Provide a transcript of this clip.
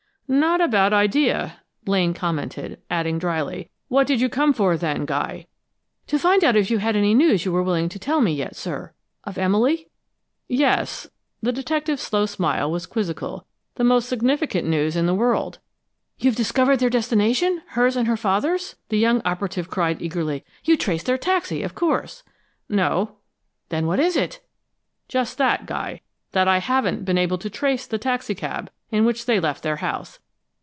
"Not a bad idea," Blaine commented, adding dryly: "What did you come for, then, Guy?" "To find out if you had any news you were willing to tell me yet, sir of Emily?" "Yes." The detective's slow smile was quizzical. "The most significant news in the world." "You've discovered their destination hers and her father's?" the young operative cried eagerly. "You traced their taxi, of course!" "No." "Then what is it?" "Just that, Guy that I haven't been able to trace the taxicab in which they left their house.